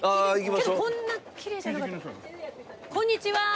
けどこんなきれいじゃなかった。